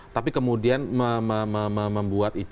tapi kemudian membuat ic